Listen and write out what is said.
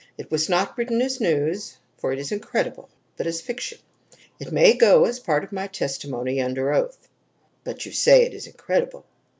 It was not written as news, for it is incredible, but as fiction. It may go as a part of my testimony under oath." "But you say it is incredible."